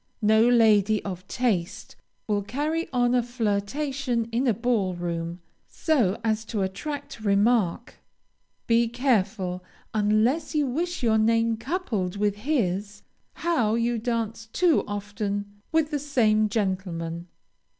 No lady of taste will carry on a flirtation in a ball room, so as to attract remark. Be careful, unless you wish your name coupled with his, how you dance too often with the same gentleman.